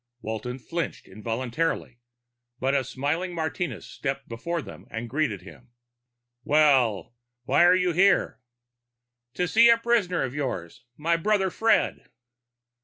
Walton flinched involuntarily, but a smiling Martinez stepped before them and greeted him. "Well, why are you here?" "To see a prisoner of yours. My brother, Fred."